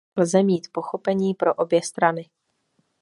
Lze mít pochopení pro obě strany.